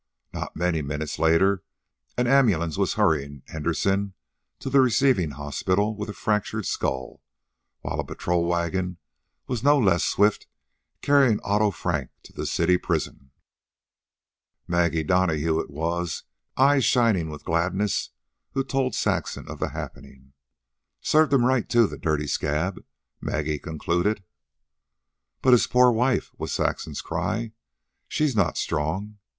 Not many minutes later an ambulance was hurrying Henderson to the receiving hospital with a fractured skull, while a patrol wagon was no less swiftly carrying Otto Frank to the city prison. Maggie Donahue it was, eyes shining with gladness, who told Saxon of the happening. "Served him right, too, the dirty scab," Maggie concluded. "But his poor wife!" was Saxon's cry. "She's not strong.